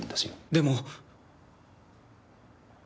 でも。